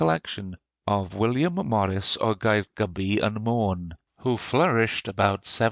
collection of William Morris o Gaergybi yn Mon, who flourished about 1758.